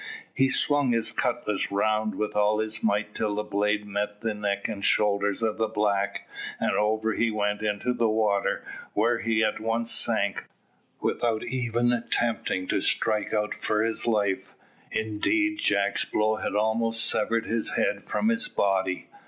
He swung his cutlass round with all his might till the blade met the neck and shoulders of the black, and over he went into the water, where he at once sank, without even attempting to strike out for his life, indeed Jack's blow had almost severed his head from his body.